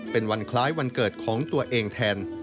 เป็นวันคล้ายวันเกิดของตัวเองแทน